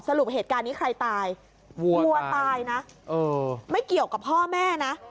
สรุปเหตุการณ์นี้ใครตายวัวตายนะไม่เกี่ยวกับพ่อแม่นะ